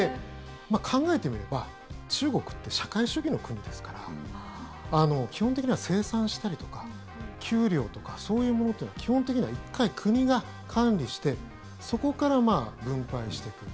考えてみれば中国って社会主義の国ですから基本的には生産したりとか、給料とかそういうものというのは基本的には１回、国が管理してそこから分配していく。